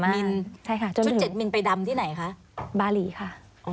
โอ้โฮชุดเจ็ดมิลฉุดเจ็ดมิลไปดำที่ไหนคะบาลีค่ะ